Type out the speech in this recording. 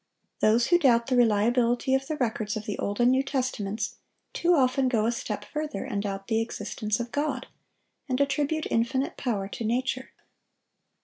Those who doubt the reliability of the records of the Old and New Testaments, too often go a step farther, and doubt the existence of God, and attribute infinite power to nature.